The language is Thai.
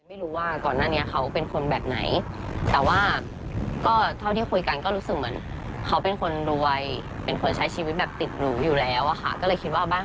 เอาจริงโจมตีเนี่ยเค้ามีตังค์